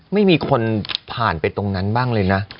ไม่มีคนผ่านไปตรงนั้นบ้างเลยนะ